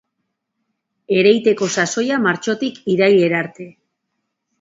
Ereiteko sasoia martxotik irailera arte.